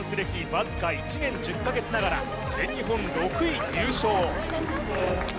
わずか１年１０か月ながら全日本６位入賞